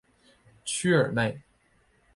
屈尔内。